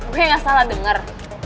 gue gak salah denger